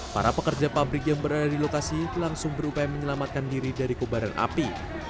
para pekerja pabrik yang berada di lokasi langsung berupaya menyelamatkan diri dari kobaran api